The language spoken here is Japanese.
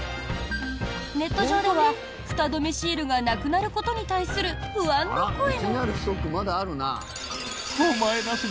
ネット上では、フタ止めシールがなくなることに対する不安の声も。